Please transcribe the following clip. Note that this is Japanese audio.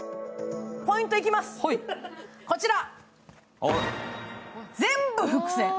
ポイントいきます、こちら。